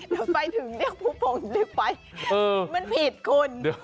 แล้วไปถึงเรียกภูโป่งหินเหล็กไฟมันผิดคุณ